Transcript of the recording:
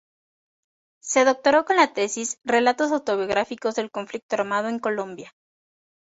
Se doctoró con la tesis ""Relatos autobiográficos del conflicto armado en Colombia.